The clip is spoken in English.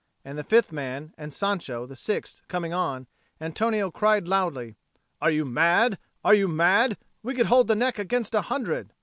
And the fifth man and Sancho, the sixth, coming on, Antonio cried loudly, "Are you mad, are you mad? We could hold the neck against a hundred."